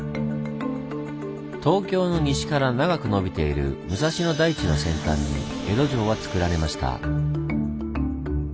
東京の西から長くのびている武蔵野台地の先端に江戸城はつくられました。